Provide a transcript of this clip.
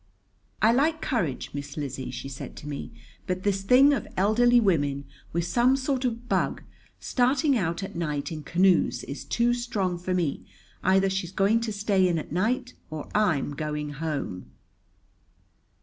"I like courage, Miss Lizzie," she said to me; "but this thing of elderly women, with some sort of bug, starting out at night in canoes is too strong for me. Either she's going to stay in at night or I'm going home."